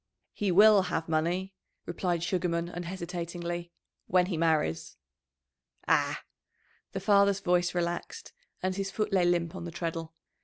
"He will have money," replied Sugarman unhesitatingly, "when he marries." "Ah!" The father's voice relaxed, and his foot lay limp on the treadle.